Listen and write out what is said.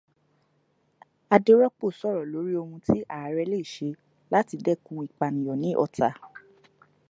Adérọ́pò sọ̀rọ̀ lórí ohun tí Ààrẹ lè ṣe láti dẹ́kun ìpànìyàn ní Ọ̀tà.